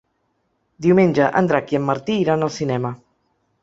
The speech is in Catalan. Diumenge en Drac i en Martí iran al cinema.